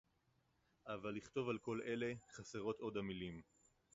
אבל לכתוב על כל אלה – חסרות עוד המלים